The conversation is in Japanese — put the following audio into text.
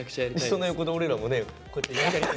その横で俺らもねこうやって。